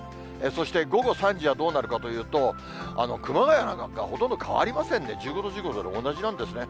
そして午後３時はどうなるかというと、熊谷なんかほとんど変わりませんね、１５度、１５度で同じなんですね。